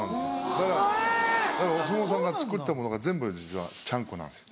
だからお相撲さんが作ったものが全部実は「ちゃんこ」なんですよ。